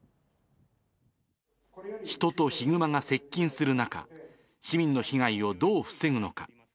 人とヒグマが接近する中、市民の被害をどう防ぐのか。